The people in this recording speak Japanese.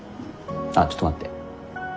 あっちょっと待って。